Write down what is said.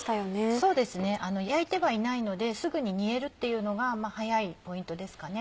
そうですね焼いてはいないのですぐに煮えるっていうのが早いポイントですかね。